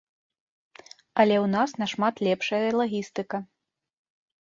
Але ў нас нашмат лепшая лагістыка.